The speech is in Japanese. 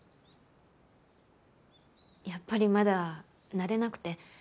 やっぱりまだ慣れなくて。